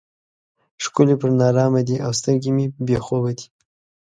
ښکلي پر نارامه دي او سترګې مې بې خوبه دي.